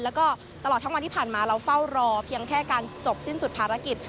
แล้วก็ตลอดทั้งวันที่ผ่านมาเราเฝ้ารอเพียงแค่การจบสิ้นสุดภารกิจ